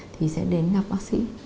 thì sẽ đến gặp bác sĩ